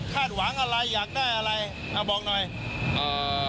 หวังอะไรอยากได้อะไรอ่าบอกหน่อยอ่า